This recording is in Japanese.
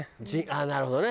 あっなるほどね。